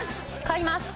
買います！